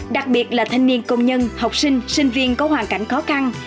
đặc biệt là thanh niên công nhân học sinh sinh viên có hoàn cảnh khó khăn